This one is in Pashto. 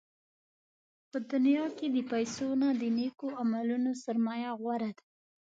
په دنیا کې د پیسو نه، د نېکو عملونو سرمایه غوره ده.